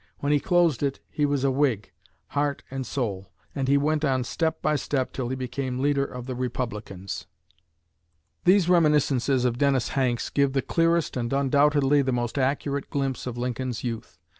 When he closed it he was a Whig, heart and soul, and he went on step by step till he became leader of the Republicans." These reminiscences of Dennis Hanks give the clearest and undoubtedly the most accurate glimpse of Lincoln's youth.